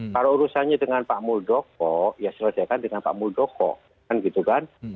kalau urusannya dengan pak muldoko ya selesaikan dengan pak muldoko kan gitu kan